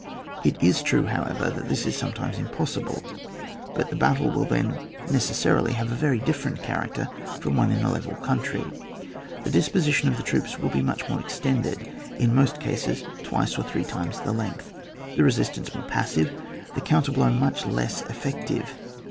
It is true, however, that this is some times impossible ; but the battle will then necessarily have a very different character from one in a level country : the disposi tion of the troops will be much more ex tended— in most cases twice or three times the length ; the resistance more passive, the .counter blow much less effective.